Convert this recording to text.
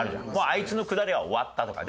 あいつのくだりは終わったとか。